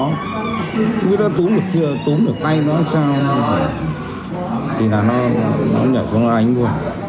nếu túm được tay nó sao thì nó nhảy vào đánh vụ